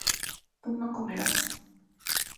tú no comerás